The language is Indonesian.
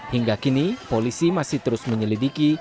hingga kini polisi masih terus menyelidiki